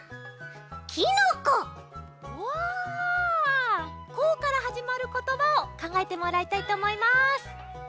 「こ」からはじまることばをかんがえてもらいたいとおもいます。